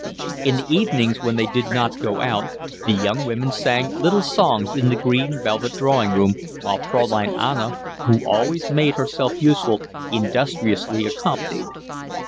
In the evenings when they did not go out, the young women sang little songs in the green velvet drawing room, while Fraulein Anna, who always made herself useful, industriously accompanied.